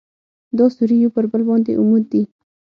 دا سوري یو پر بل باندې عمود دي.